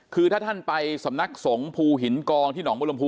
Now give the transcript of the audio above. คือถ้าท่านไปสำนักสงฆ์ภูหินกองที่หนองบุรมภู